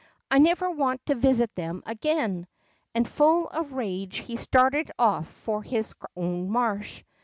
I never want to visit them again !" and, full of rage, off he started for his own marsh.